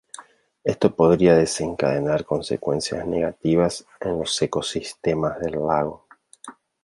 Esto podría desencadenar consecuencias negativas en los ecosistemas del lago.